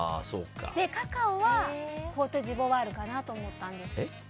カカオはコートジボワールかなと思ったんです。